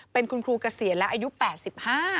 เป็นคุณครูเกษียณแล้วอายุ๘๕นาที